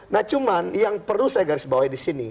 nah cuman yang perlu saya garis bawah disini